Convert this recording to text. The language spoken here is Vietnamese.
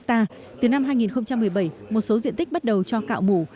từ năm hai nghìn một mươi bảy một số diện tích bắt đầu cho cạo mủ